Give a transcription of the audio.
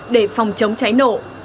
để phòng chống cháy nổ